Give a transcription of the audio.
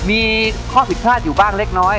มีข้อผิดพลาดอยู่บ้างเล็กน้อย